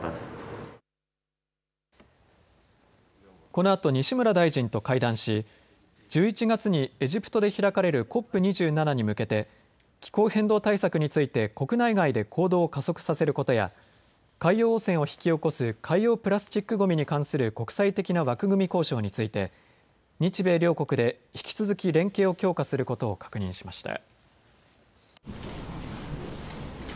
このあと西村大臣と会談し、１１月にエジプトで開かれるＣＯＰ２７に向けて気候変動対策について国内外で行動を加速させることや海洋汚染を引き起こす海洋プラスチックごみに関する国際的な枠組み交渉について日米両国で引き続き連携を強化することを確認しました。